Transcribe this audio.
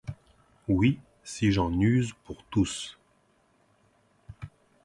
Oui, si j’en use pour tous.